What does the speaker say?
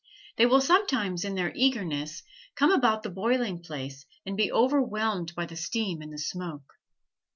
They will sometimes, in their eagerness, come about the boiling place and be overwhelmed by the steam and the smoke.